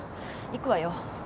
行くわよ。